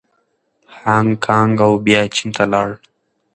هانګکانګ او بیا چین ته لاړ.